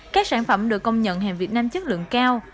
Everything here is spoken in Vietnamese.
các sản phẩm được công nhận hàng việt nam chất lượng cao